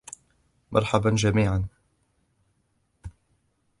مرحباً جميعاً!